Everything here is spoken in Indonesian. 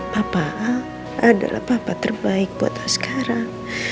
papa al adalah papa terbaik buat kamu sekarang